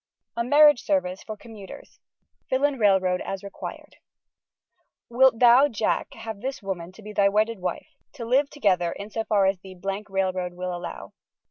A MARRIAGE SERVICE FOR COMMUTERS (Fill in railroad as required) Wilt thou, Jack, have this woman to be thy wedded wife, to live together in so far as the Railroad will allow?